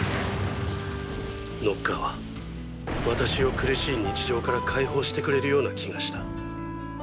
ノッカーは私を苦しい日常から解放してくれるような気がした。